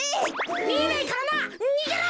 みえないからな。にげろ！